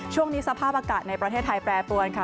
ช่วงนี้สภาพอากาศในประเทศไทยแปรปวนค่ะ